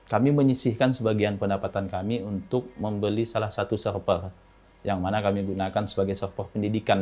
kami menyisihkan sebagian pendapatan kami untuk membeli salah satu server yang mana kami gunakan sebagai server pendidikan